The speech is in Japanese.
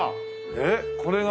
えっこれが？